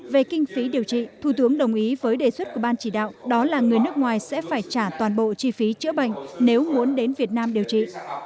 về kinh phí điều trị thủ tướng đồng ý với đề xuất của ban chỉ đạo đó là người nước ngoài sẽ phải trả toàn bộ chi phí chữa bệnh nếu muốn đến việt nam điều trị